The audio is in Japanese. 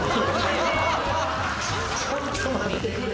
ちょっと待ってくれ。